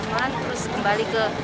terus kembali ke